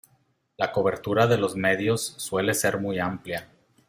La cobertura de los medios suele ser muy amplia.